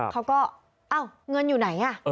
เขาก็เอ้าเงินอยู่ไหน